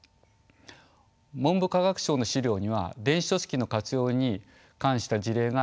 文部科学省の資料には電子書籍の活用に関した事例が紹介されています。